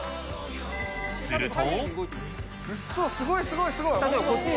すると。